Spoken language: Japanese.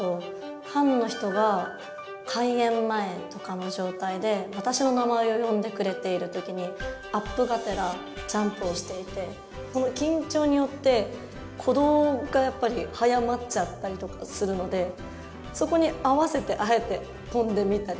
ファンの人が開演前とかの状態で私の名前を呼んでくれている時にアップがてらジャンプをしていて緊張によって鼓動がやっぱり速まっちゃったりとかするのでそこに合わせてあえて跳んでみたりとか。